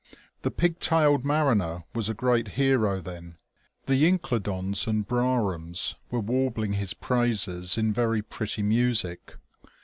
The pig tailed mariner was a great hero then. The Incledons and Brahams were warbling his praises in very pretty music.